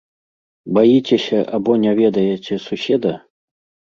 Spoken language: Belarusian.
Баіцеся або не ведаеце суседа?